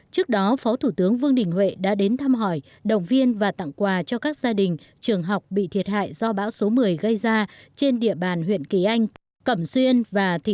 trước đó phó thủ tướng vương đình huệ đã đến thăm hỏi động viên và tặng quà cho các gia đình trường học bị thiệt hại do bão số một mươi gây ra trên địa bàn huyện kỳ anh cẩm xuyên